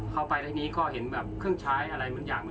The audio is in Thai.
เข้าไปแล้วนี้ก็เห็นเครื่องใช้อะไรเหมือนอย่าง